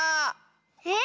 えっ？